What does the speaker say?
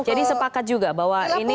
jadi sepakat juga bahwa ini